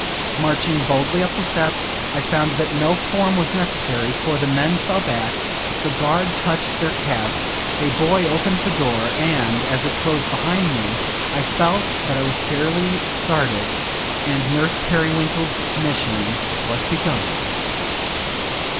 Marching boldly up the steps, I found that no form was necessary, for the men fell back, the guard touched their caps, a boy opened the door, and, as it closed behind me, I felt that I was fairly started, and Nurse Periwinkle's Mission was begun.